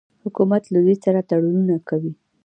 حکومت له دوی سره تړونونه کوي.